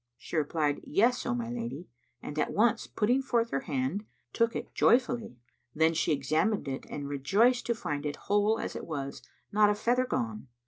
She replied, "Yes, O my lady," and at once putting forth her hand, took it joyfully. Then she examined it and rejoiced to find it whole as it was, not a feather gone.